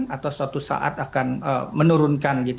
atau suatu saat akan menurunkan